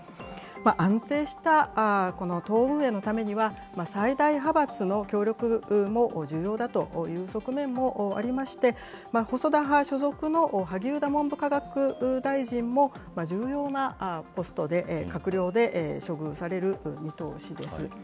安定したこの党運営のためには、最大派閥の協力も重要だという側面もありまして、細田派所属の萩生田文部科学大臣も、重要なポストで、閣僚で処遇される見通しです。